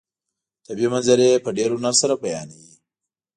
طبیعي منظرې په ډېر هنر سره بیانوي.